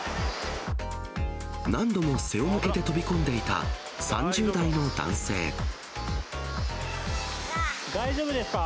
何度も背を向けて飛び込んで大丈夫ですか？